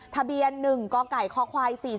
ทะเบียน๑กกค๔๔๘๙